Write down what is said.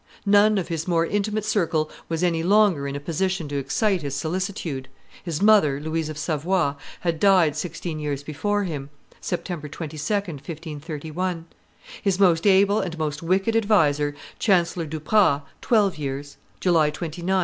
None of his more intimate circle was any longer in a position to excite his solicitude: his mother, Louise of Savoy, had died sixteen years before him (September 22, 1531); his most able and most wicked adviser, Chancellor Duprat, twelve years (July 29, 1535).